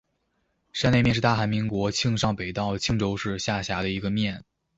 山内面是大韩民国庆尚北道庆州市下辖的一个面。